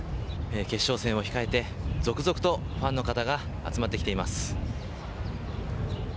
決勝戦を控えて続々とファンの方が集まってきています。